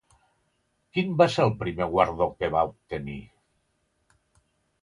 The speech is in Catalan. Quin va ser el primer guardó que va obtenir?